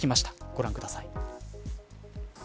ご覧ください。